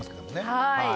はい。